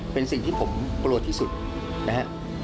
เป็นสิ่งที่ผมโปรดที่สุดนะฮะ